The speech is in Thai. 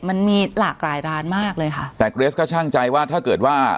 มันมีหลากหลายร้านมากเลยค่ะแต่เกรสก็ช่างใจว่าถ้าเกิดว่า